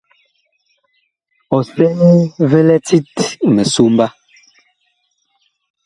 Ɔsɛɛ vi lɛ tit misomba.